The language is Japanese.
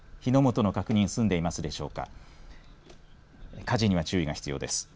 火の元の確認すんでいますでしょうか。